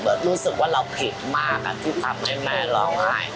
รู้สึกว่าเราผิดมากที่ทำให้แม่ร้องไห้